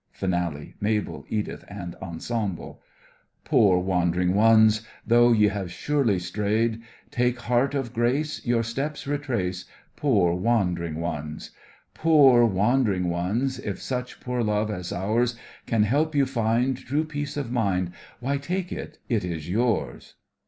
FINALE—MABEL, EDITH and ENSEMBLE Poor wandering ones! Though ye have surely strayed, Take heart of grace, Your steps retrace, Poor wandering ones! Poor wandering ones! If such poor love as ours Can help you find True peace of mind, Why, take it, it is yours!